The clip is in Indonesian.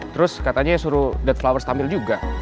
terus katanya suruh dead flower setampil juga